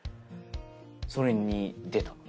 それに出た。